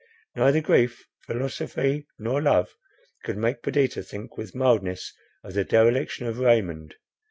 Neither grief, philosophy, nor love could make Perdita think with mildness of the dereliction of Raymond.